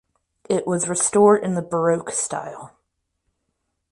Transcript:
It was restored in the Baroque style.